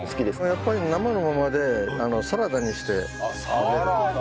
やっぱり生のままでサラダにして食べる。